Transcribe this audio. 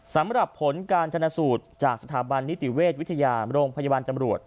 สำหรับผลการชนสูตรจากสถาบันนิติเวชวิทยาโรงพยาบาลตำรวจ